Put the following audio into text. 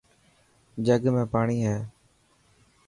جڳ ۾ پاڻي هي.